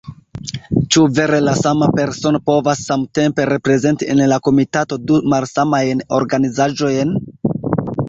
Ĉu vere la sama persono povas samtempe reprezenti en la komitato du malsamajn organizaĵojn?